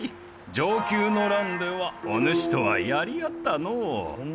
承久の乱ではお主とはやり合ったのう。